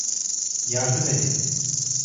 Yardım edin!